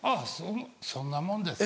そんなもんですね。